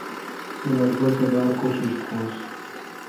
سو لٹکور سہ باڑ کوشش تھنوس۔